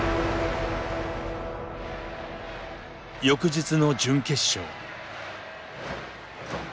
翌日の準決勝。